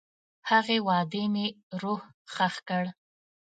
هغې وعدې مې روح ښخ کړ.